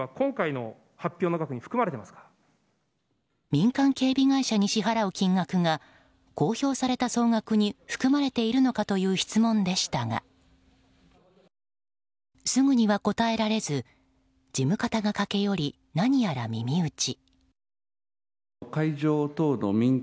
民間警備会社に支払う金額が公表された総額に含まれているのかという質問でしたがすぐには答えられず事務方が駆け寄り何やら耳打ち。